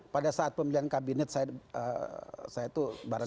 pada saat pemilihan kabinet saya tuh barang